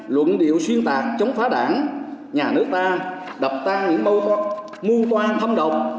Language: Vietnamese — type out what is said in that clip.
luận điệu xuyên tạc chống phá đảng nhà nước ta đập tan những mưu toan thâm độc